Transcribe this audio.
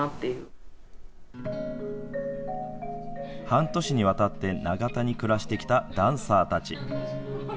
半年にわたって長田に暮らしてきたダンサーたち。